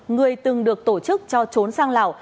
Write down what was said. người từng được tổ chức cho trốn sang lào